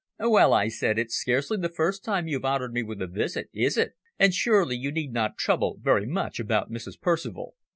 "Well," I said, "it's scarcely the first time you've honoured me with a visit, is it? And surely you need not trouble very much about Mrs. Percival."